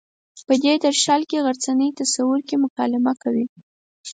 په دې درشل کې غرڅنۍ تصور کې مکالمه کوي.